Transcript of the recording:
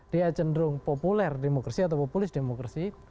dia cenderung populer demokrasi atau populis demokrasi